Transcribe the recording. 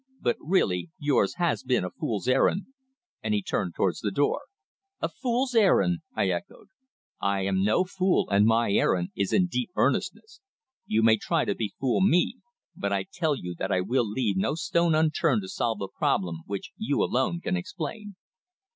But really yours has been a fool's errand," and he turned towards the door. "A fool's errand!" I echoed. "I am no fool and my errand is in deep earnestness. You may try to befool me, but I tell you that I will leave no stone unturned to solve the problem which you alone can explain."